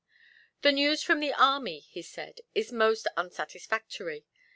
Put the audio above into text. "The news from the army," he said, "is most unsatisfactory.